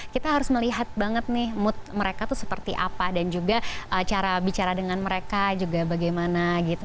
kita harus melihat banget nih mood mereka tuh seperti apa dan juga cara bicara dengan mereka juga bagaimana gitu